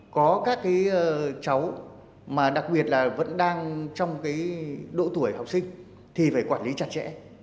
có các cái cháu mà đặc biệt là vẫn đang trong cái độ tuổi học sinh thì phải quản lý chặt chẽ